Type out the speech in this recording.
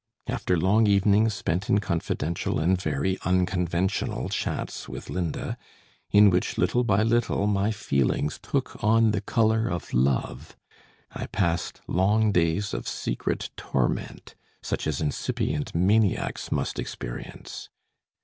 After long evenings spent in confidential and very unconventional chats with Linda, in which little by little my feelings took on the color of love, I passed long days of secret torment, such as incipient maniacs must experience.